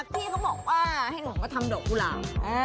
พี่เขาบอกว่าให้หนูมาทำดอกกุหลาบ